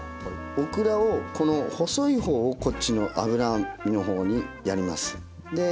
オクラをこの細い方をこっちの脂身の方にやります。